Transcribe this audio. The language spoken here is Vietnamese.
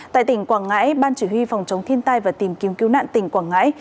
tại tỉnh quảng ngãi ban chỉ huy phòng chống thiên tai và tìm kiếm cứu nạn tỉnh quảng ngãi